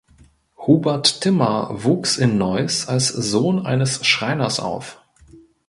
Hubert Timmer wuchs in Neuss als Sohn eines Schreiners auf.